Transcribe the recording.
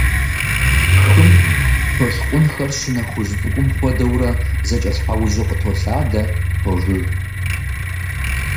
Хым толъкъунхэр щынэ хужь цӏыкӏум хуэдэурэ, зэкӏэлъхьэужьу къытолъадэ, тожыж.